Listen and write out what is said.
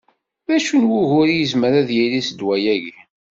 D acu n wugur i yezmer ad d-yili s ddwa-agi?